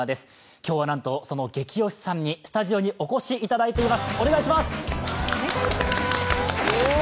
今日は、なんとそのゲキ推しさんにスタジオに起こしいただいています。